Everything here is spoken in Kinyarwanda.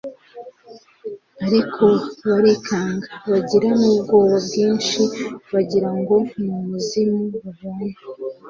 Ariko "barikanga bagira n'ubwoba bwinshi bagira ngo ni umuzimu babonye.